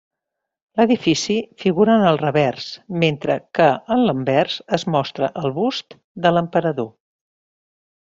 L'edifici figura en el revers mentre que en l'anvers es mostra el bust de l'emperador.